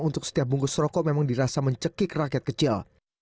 untuk setiap bungkus rokok memang dirasa mencekik rakyat kecil